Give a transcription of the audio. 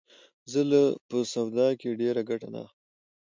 زه له په سواد کښي ډېره ګټه نه اخلم.